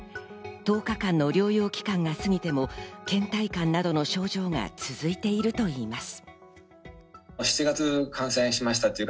１０日間の療養期間が過ぎても、倦怠感などの症状が続いているといいます。